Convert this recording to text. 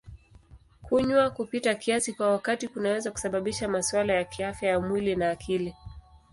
Kunywa kupita kiasi kwa wakati kunaweza kusababisha masuala ya kiafya ya mwili na akili.